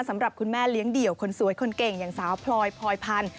สำหรับคุณแม่เลี้ยงเดี่ยวคนสวยคนเก่งอย่างสาวพลอยพลอยพันธุ